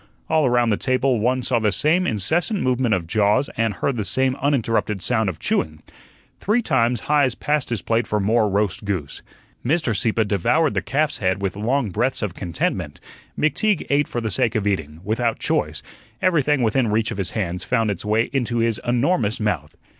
All around the table one saw the same incessant movement of jaws and heard the same uninterrupted sound of chewing. Three times Heise passed his plate for more roast goose. Mr. Sieppe devoured the calf's head with long breaths of contentment; McTeague ate for the sake of eating, without choice; everything within reach of his hands found its way into his enormous mouth.